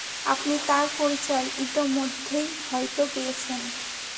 আপনি তার পরিচয় ইতোমধ্যেই হয়তো পেয়েছেন।